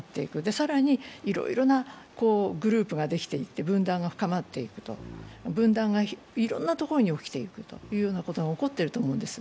更にいろいろなグループができていって、分断が深まっていって分断がいろんなところに起きているというようなことが起こっていると思うんです。